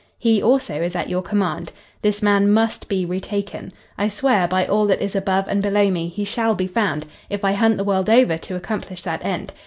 He, also, is at your command. This man must be retaken. I swear, by all that is above and below me, he shall be found, if I hunt the world over to accomplish that end.